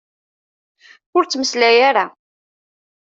Ur ttmeslay ara!